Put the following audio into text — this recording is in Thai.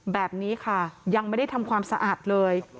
แบบนี้ค่ะยังไม่ได้ทำความสะอาดเลย